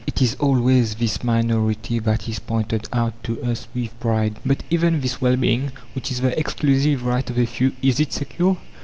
It is always this minority that is pointed out to us with pride. But even this well being, which is the exclusive right of a few, is it secure?